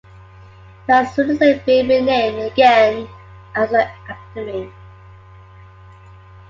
It has recently been renamed again as "The Academy".